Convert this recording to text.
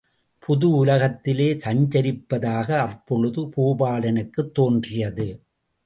புது உலகிலே சஞ்சரிப்பதாக அப்பொழுது பூபாலனுக்குத் தோன்றியது.